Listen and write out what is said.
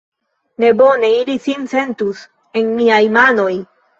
Ne bone ili sin sentus en miaj manoj!